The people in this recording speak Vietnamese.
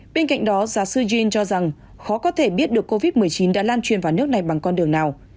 bên cạnh đó giáo sư jin cho rằng khó có thể biết được covid một mươi chín đã lan truyền vào nước này bằng con đường nào